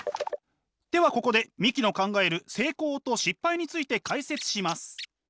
ではここで三木の考える成功と失敗について解説します！